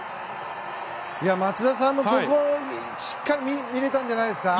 松田さん、ここしっかり見れたんじゃないですか。